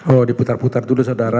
oh diputar putar dulu saudara